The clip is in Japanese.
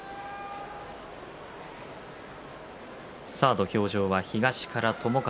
土俵上は東から友風